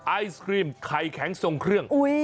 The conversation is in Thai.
ไอศครีมไข่แข็งทรงเครื่อง